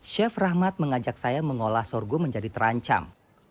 chef rahmat mengajak saya mengolah sorghum menjadi terancam